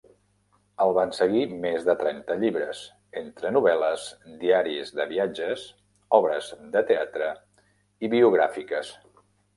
El van seguir més de trenta llibres, entre novel·les, diaris de viatges, obres de teatre i biogràfiques.